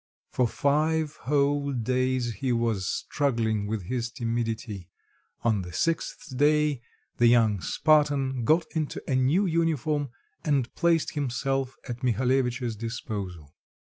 For five whole days he was struggling with his timidity; on the sixth day the young Spartan got into a new uniform and placed himself at Mihalevitch's disposal.